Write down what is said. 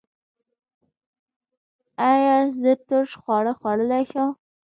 ایا زه ترش خواړه خوړلی شم؟